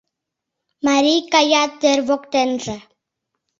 Марий кая тер воктенже